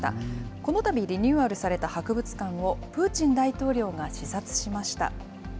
このたびリニューアルされた博物館を、プーチン大統領が視察しました。